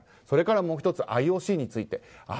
それからもう１つＩＯＣについて。